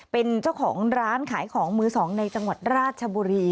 เป็นเจ้าของร้านขายของมือสองในจังหวัดราชบุรี